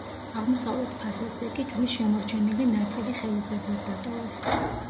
აღმოსავლეთ ფასადზე კი, ჯვრის შემორჩენილი ნაწილი ხელუხლებლად დატოვეს.